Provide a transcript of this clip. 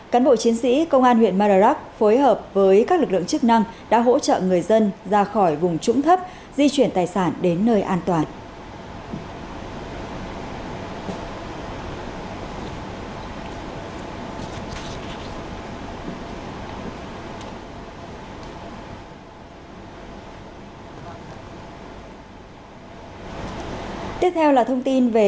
cán bộ chiến sĩ công an huyện mèo vạc phối hợp với các lực lượng chức năng đã hỗ trợ người dân ra khỏi vùng trũng thấp di chuyển tài sản đến nơi an toàn